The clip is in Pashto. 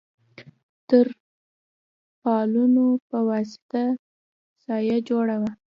تر پالونو په واسطه سایه جوړه وه.